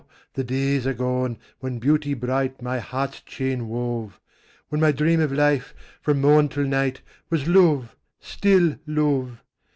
the days are gone, when Beauty bright My heart's chain wove; When my dream of life, from morn till night, Was love, still love.